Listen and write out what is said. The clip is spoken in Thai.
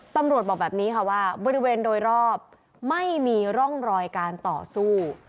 บอกแบบนี้ค่ะว่าบริเวณโดยรอบไม่มีร่องรอยการต่อสู้